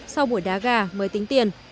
sau buổi đá gà mới tính tiền